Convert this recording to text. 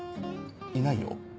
いないよ。